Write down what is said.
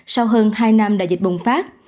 sau hơn hai năm đại dịch bùng phát